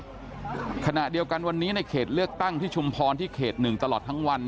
ขณะเดียวกันวันนี้ในเขตเลือกตั้งที่ชุมพรที่เขตหนึ่งตลอดทั้งวัน